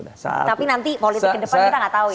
tapi nanti politik ke depan kita gak tau ya